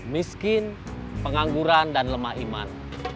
miskin pengangguran dan lemah iman